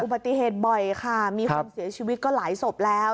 ปฏิเหตุบ่อยค่ะมีคนเสียชีวิตก็หลายศพแล้ว